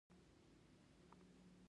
د یوې سیمې بچیان.